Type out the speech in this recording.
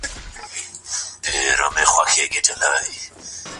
د امریکا د هوايي بېړیو یو هوانورد هم کیڼ لاسي و.